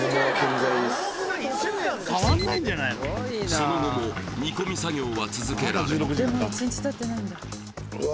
その後も煮込み作業は続けられうわ